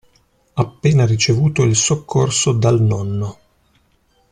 Appena ricevuto il soccorso dal nonno.